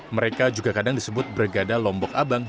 mereka juga kadang disebut bergada lombok abang